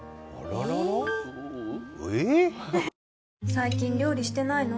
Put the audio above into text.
最近料理してないの？